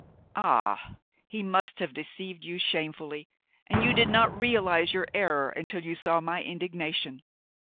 Ah! he must have deceived you shamefully, and you did not realize your error until you saw my indignation!